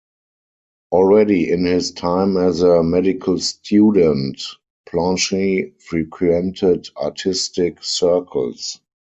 Already in his time as a medical student, Planche frequented artistic circles.